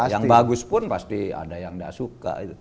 yang bagus pun pasti ada yang tidak suka